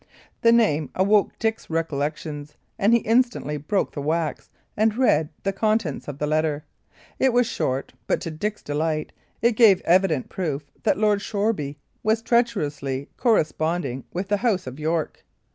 The name awoke Dick's recollection; and he instantly broke the wax and read the contents of the letter. It was short, but, to Dick's delight, it gave evident proof that Lord Shoreby was treacherously corresponding with the House of York.